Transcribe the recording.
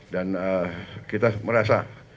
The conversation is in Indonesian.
dan kita merasa